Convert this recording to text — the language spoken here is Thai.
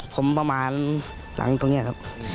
ผมประมาณหลังตรงนี้ครับ